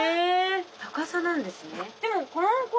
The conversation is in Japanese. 高さなんですね？